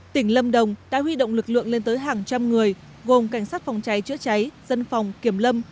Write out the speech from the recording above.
tỉnh lâm đồng đã huy động lực lượng lên tới hàng trăm người gồm cảnh sát phòng cháy chữa cháy dân phòng kiểm lâm